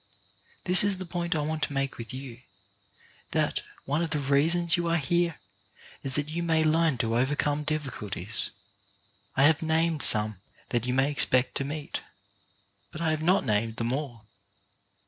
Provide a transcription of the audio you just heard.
This is the point I want to make with you; that one of the reasons you are here is that you may learn to overcome difficulties. I have named some that you may expect to meet, but I have not named them all.